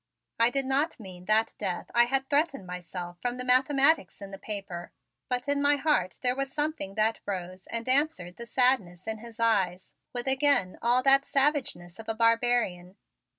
I did not mean that death I had threatened myself from the mathematics in the paper, but in my heart there was something that rose and answered the sadness in his eyes with again all that savageness of a barbarian.